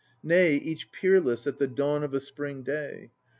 Nay, each peerless At the dawn of a Spring day.